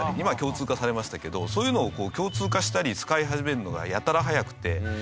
今は共通化されましたけどそういうのを共通化したり使い始めるのがやたら早くて。